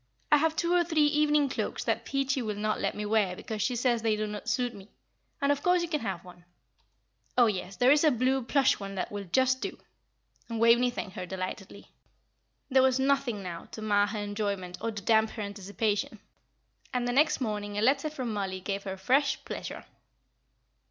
I have two or three evening cloaks that Peachy will not let me wear because she says they do not suit me, and of course you can have one. Oh, yes, there is a blue plush one that will just do." And Waveney thanked her delightedly. There was nothing now to mar her enjoyment or to damp her anticipation. And the next morning a letter from Mollie gave her fresh pleasure.